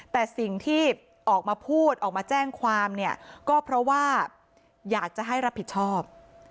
แต่สิ่งที่ออกมาพูดออกมาแจ้งความเนี่ยก็เพราะว่าอยากจะให้รับผิดชอบ